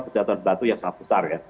kejatuhan batu yang sangat besar ya